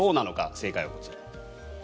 正解はこちら。